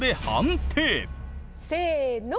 せの！